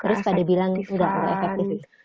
terus pada bilang udah efektif